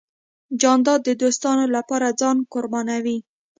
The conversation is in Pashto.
جانداد د دوستانو له پاره ځان قربانوي .